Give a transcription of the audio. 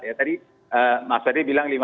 ya tadi mas ferry bilang